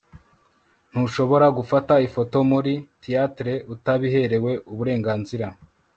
ntushobora gufata ifoto muri theatre utabiherewe uburenganzira